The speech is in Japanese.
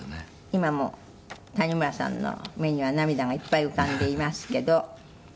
今も谷村さんの目には涙がいっぱい浮かんでいますけど。